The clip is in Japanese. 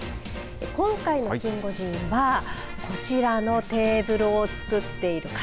今回のキンゴジンはこちらのテーブルを作っている方。